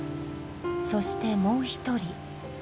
そしてもう一人。